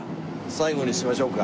最後にしましょうか。